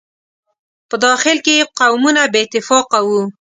په داخل کې یې قومونه بې اتفاقه وو.